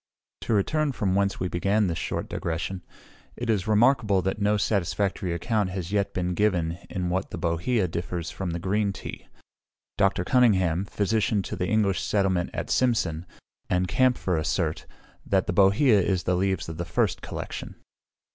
To return from whence we began this short digression. It is remarkable that no satisfactory account has yet been given in what the bohea differs from the green tea. Dr. Cunningham, physician to the English settlement at Cimsan, and Kampfer assert, that the bohea is the leaves of the first collection.